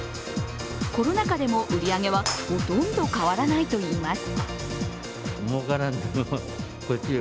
コロナ禍でも売り上げはほとんど変わらないといいます。